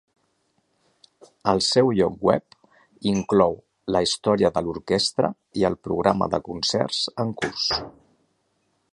El seu lloc web inclou la història de l'orquestra i el programa de concerts en curs.